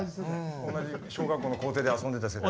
おんなじ小学校の校庭で遊んでた先輩。